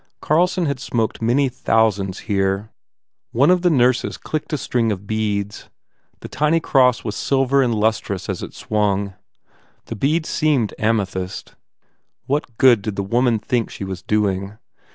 Carlson had smoked many thou sands here. One of the nurses clicked a string of beads. The tiny cross was silver and lustrous as it swung. The beads seemed amethyst. What good did the woman think she was doing?